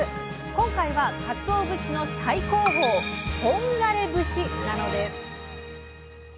今回はかつお節の最高峰本枯節なのです！